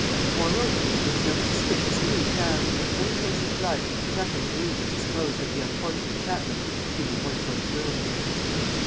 Moreover, there was no suspicious clue found, no trace of blood, nothing to lead them to suppose that the unfortunate Chapman had been in one of those rooms.